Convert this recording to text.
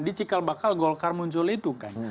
di cikal bakal golkar muncul itu kan